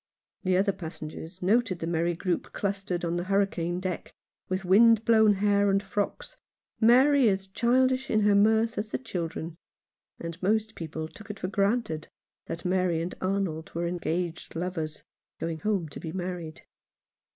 The other passengers noted the merry group clustered on the hurricane deck, with wind blown hair and frocks, Mary as childish in her mirth as the children ; and most people took it for granted that Mary and Arnold were engaged lovers, going home to be married.